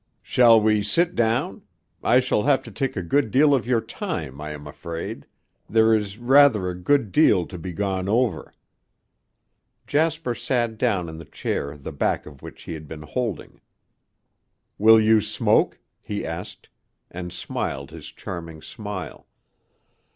"Shall we sit down? I shall have to take a good deal of your time, I am afraid. There is rather a good deal to be gone over." Jasper sat down in the chair the back of which he had been holding. "Will you smoke?" he asked, and smiled his charming smile.